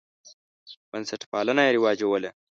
بنسټپالنه یې رواجوله.